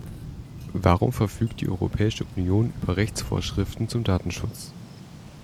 Warum verfügt die Europäische Union über Rechtsvorschriften zum Datenschutz?